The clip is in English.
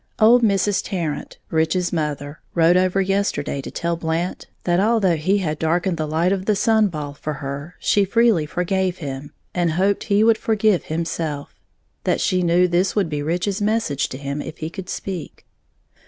Old Mrs. Tarrant, Rich's mother, rode over yesterday to tell Blant that, although he had darkened the light of the sun ball for her, she freely forgave him, and hoped he would forgive himself, that she knew this would be Rich's message to him if he could speak.